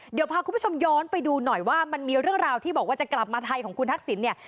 เดี๋ยวพาคุณผู้ชมย้อนไปดูหน่อยว่ามันมีเรื่องราวที่บอกว่าจะกลับมาไทยของคุณทักษิณเนี่ย